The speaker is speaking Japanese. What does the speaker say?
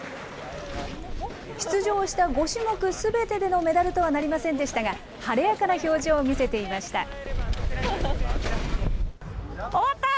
出場した５種目すべてでのメダルとはなりませんでしたが、晴れやかな表情を見せていました。